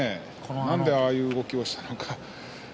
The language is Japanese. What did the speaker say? なんでああいう動きをしたのか。